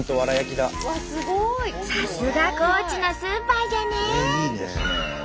さすが高知のスーパーじゃね！